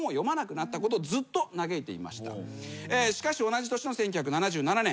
しかし同じ年の１９７７年。